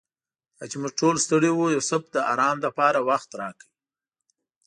دا چې موږ ټول ستړي وو یوسف د آرام لپاره وخت راکړ.